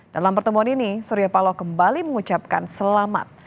dalam pertemuan ini surya paloh kembali mengucapkan selamat